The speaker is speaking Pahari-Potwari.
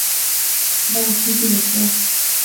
ناں اوتھیں کی بچیا